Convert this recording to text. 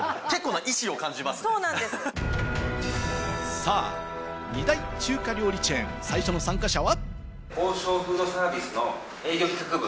さぁ、２大中華料理チェーン、最初の参加者は。